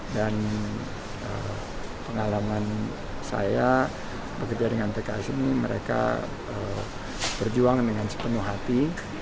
pengalaman saya bekerja dengan tks ini mereka berjuang dengan sepenuh hati